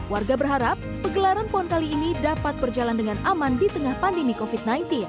warga berharap pegelaran pon kali ini dapat berjalan dengan aman di tengah pandemi covid sembilan belas